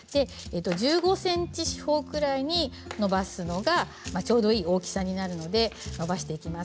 １５ｃｍ四方くらいにのばすのがちょうどいい大きさになるのでのばしていきます。